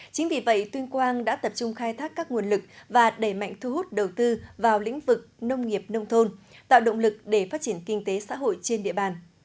chính vì vậy tuyên quang đã tập trung khai thác các nguồn lực và đẩy mạnh thu hút đầu tư vào lĩnh vực nông nghiệp nông thôn tạo động lực để phát triển kinh tế xã hội trên địa bàn